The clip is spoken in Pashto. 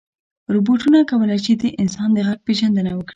روبوټونه کولی شي د انسان د غږ پېژندنه وکړي.